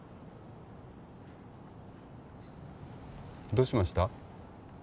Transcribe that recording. どうしました？